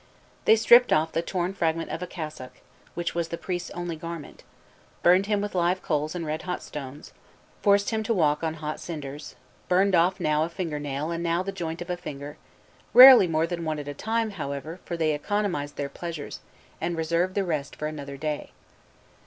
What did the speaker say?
They stripped off the torn fragment of a cassock, which was the priest's only garment; burned him with live coals and red hot stones; forced him to walk on hot cinders; burned off now a finger nail and now the joint of a finger, rarely more than one at a time, however, for they economized their pleasures, and reserved the rest for another day.